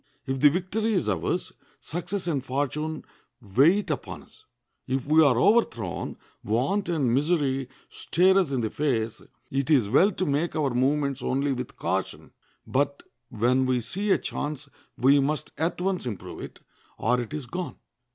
If the victory is ours, success and fortune wait upon us; if we are overthrown, want and misery stare us in the face; it is well to make our movements only with caution, but when we see a chance we must at once improve it, or it is gone.